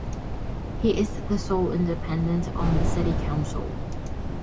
He is the sole independent on the City Council.